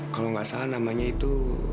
kalau nggak salah namanya itu